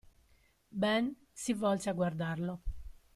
Ben si volse a guardarlo.